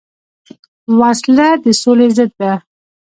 وسله د سولې ضد ده